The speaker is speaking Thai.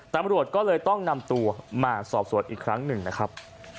ตำรวจก็เลยต้องนำตัวมาสอบสวนอีกครั้งหนึ่งนะครับ